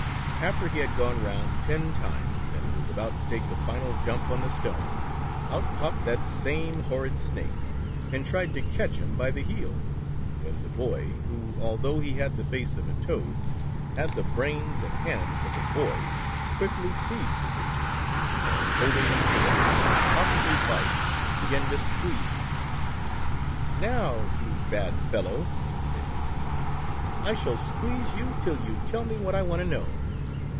After he had gone round ten times, and was about to take the final jump on the stone, out popped that same horrid Snake, and tried to catch him by the heel, when the Boy, who although he had the face of a toad, had the brains and hands of a boy, quickly seized the creature, and 192 The Toad Boy. holding him so that he could not possibly bite, began to squeeze him. "Now, you bad fellow," said he, "I shall squeeze you till you tell me what I want to know."